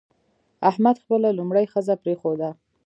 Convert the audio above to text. احمد خپله لومړۍ ښځه پرېښوده.